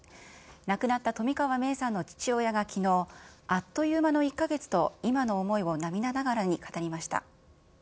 亡くなった冨川芽生さんの父親がきのう、あっという間の１か月と、今の思いを涙ながらに語りました。